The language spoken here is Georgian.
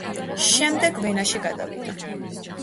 შემდეგ ვენაში გადავიდა.